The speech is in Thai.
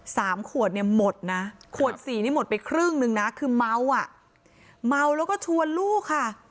สามขวดเนี่ยหมดนะขวดสี่นี่หมดไปครึ่งหนึ่งนะคือเมาอ่ะเมาแล้วก็ชวนลูกค่ะ